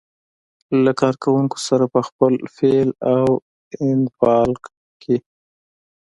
له کار کوونکو سره په خپل فعل او انفعال کې.